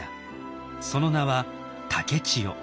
その名は竹千代。